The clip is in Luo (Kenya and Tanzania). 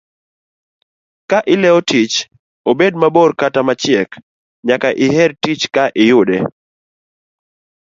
Kaileo tich, obed mabor kata machiek, nyaka iher tich ka iyude.